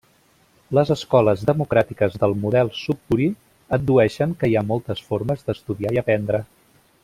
Les escoles democràtiques del Model Sudbury addueixen que hi ha moltes formes d'estudiar i aprendre.